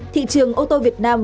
thị trường ô tô việt nam